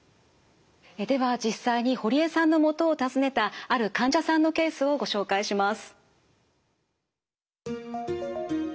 では実際に堀江さんのもとを訪ねたある患者さんのケースをご紹介します。